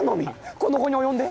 この期に及んで？